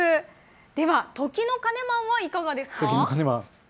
では時の鐘マンはいかがですか。